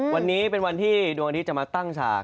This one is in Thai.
วันนี้เป็นวันที่ดวงอาทิตย์จะมาตั้งฉาก